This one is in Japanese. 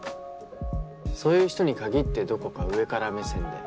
そういう人に限ってどこか上から目線で。